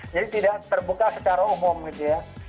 jadi tidak terbuka secara umum gitu ya